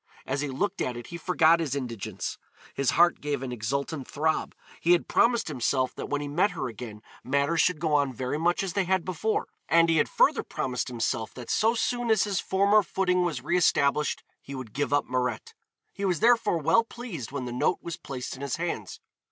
As he looked at it he forgot his indigence, his heart gave an exultant throb. He had promised himself that when he met her again matters should go on very much as they had before, and he had further promised himself that so soon as his former footing was re established he would give up Mirette. He was therefore well pleased when the note was placed in his hands.